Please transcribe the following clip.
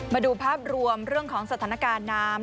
มาดูภาพรวมเรื่องของสถานการณ์น้ำ